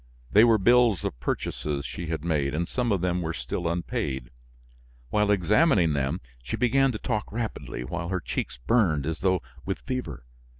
They were bills of purchases she had made and some of them were still unpaid. While examining them, she began to talk rapidly, while her cheeks burned as though with fever.